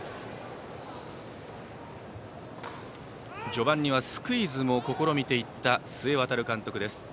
序盤にはスクイズも試みていった須江航監督です。